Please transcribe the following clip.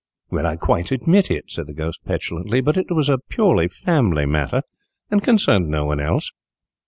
"Well, I quite admit it," said the Ghost, petulantly, "but it was a purely family matter, and concerned no one else."